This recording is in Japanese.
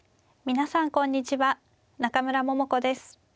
皆さんこんにちは中村桃子です。